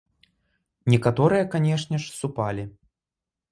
Некаторыя, канешне ж, супалі.